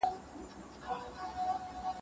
علم د رښتيا موندلو تر ټولو ښه لار ده.